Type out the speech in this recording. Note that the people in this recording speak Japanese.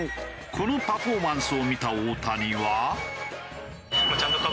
このパフォーマンスを見た大谷は。